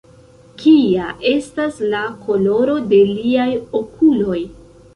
Kia estas la koloro de liaj okuloj?